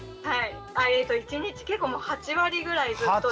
一日結構８割ぐらいずっとで。